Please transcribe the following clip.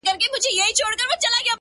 په درد آباد کي ـ ویر د جانان دی ـ